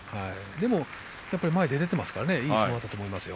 でも前に出ていっていますからいい相撲だと思いますよ。